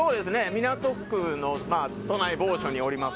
港区の都内某所におります。